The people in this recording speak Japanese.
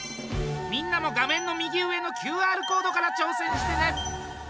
みんなも画面の右上のＱＲコードから挑戦してね！